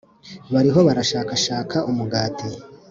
bariho barashakashaka umugati;